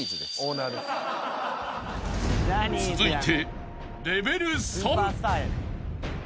［続いて］